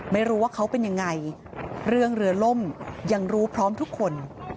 ไม่รู้ว่าเขาเป็นยังไงเรื่องเรือล่มยังรู้พร้อมทุกคน